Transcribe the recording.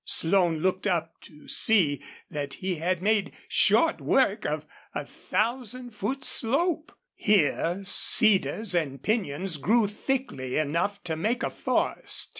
Slone looked up to see that he had made short work of a thousand foot slope. Here cedars and pinyons grew thickly enough to make a forest.